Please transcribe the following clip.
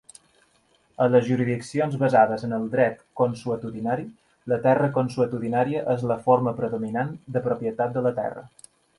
En les jurisdiccions basades en el dret consuetudinari, la terra consuetudinària és la forma predominant de propietat de la terra.